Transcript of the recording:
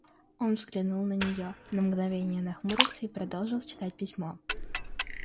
Он взглянул на нее, на мгновенье нахмурился и продолжал читать письмо.